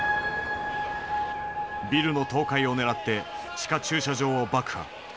ビルの倒壊を狙って地下駐車場を爆破。